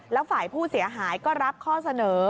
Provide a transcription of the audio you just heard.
แล้วฝ่ายผู้เสียหายก็รับข้อเสนอ